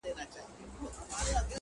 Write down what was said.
سیاه پوسي ده، ژوند تفسیرېږي,